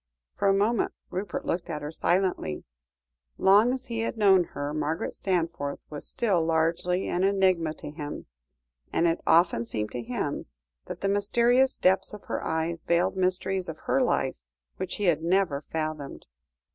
For a moment Rupert looked at her silently. Long as he had known her, Margaret Stanforth was still largely an enigma to him, and it often seemed to him that the mysterious depths of her eyes veiled mysteries of her life which he had never fathomed.